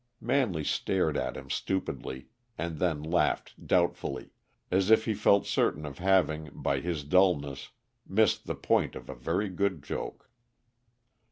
Manley stared at him stupidly, and then laughed doubtfully, as if he felt certain of having, by his dullness, missed the point of a very good joke.